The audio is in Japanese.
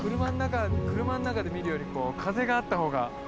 車の中で見るよりこう風があった方が。